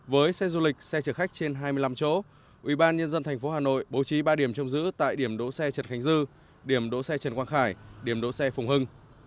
với xe du lịch xe chở khách trên hai mươi năm chỗ ubnd tp hà nội bố trí ba điểm trông giữ tại điểm đỗ xe trần khánh dư điểm đỗ xe trần quang khải điểm đỗ xe phùng hưng